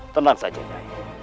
tenang saja naya